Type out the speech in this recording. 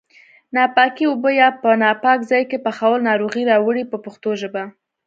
ناپاکې اوبه یا په ناپاک ځای کې پخول ناروغۍ راوړي په پښتو ژبه.